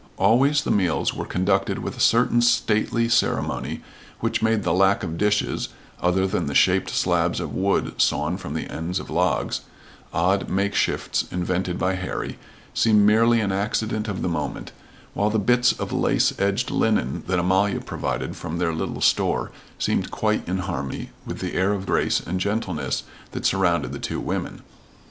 Always the meals were conducted with a certain stately ceremony which made the lack of dishes, other than the shaped slabs of wood sawn from the ends of logs odd make shifts invented by Harry, seem merely an accident of the moment, while the bits of lace edged linen that Amalia provided from their little store seemed quite in harmony with the air of grace and gentleness that surrounded the two women.